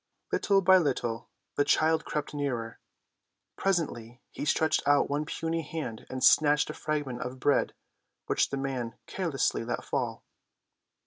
Little by little the child crept nearer. Presently he stretched out one puny hand and snatched a fragment of bread which the man carelessly let fall.